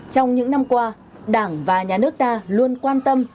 trong những năm qua đảng và nhà nước ta luôn quan tâm